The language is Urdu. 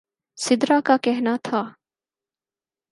سدرا کا کہنا تھا